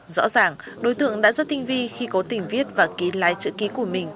rõ ràng đối tượng đã rất tinh vi khi cố tình viết và ký lái chữ ký của mình